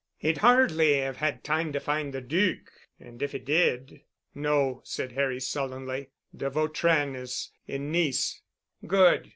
"He'd hardly have had time to find the Duc, and if he did——" "No," said Harry sullenly. "De Vautrin is in Nice." "Good.